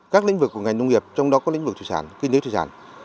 các lĩnh vực của ngành nông nghiệp trong đó có lĩnh vực thủy sản kinh tế thủy sản